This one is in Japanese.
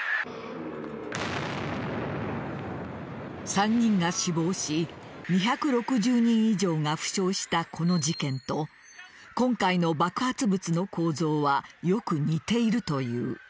３人が死亡し２６０人以上が負傷したこの事件と今回の爆発物の構造はよく似ているという。